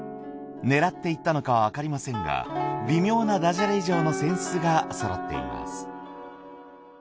狙って言ったのかはわかりませんが微妙なダジャレ以上の扇子がそろっています。